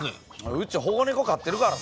うち保護ネコ飼ってるからな。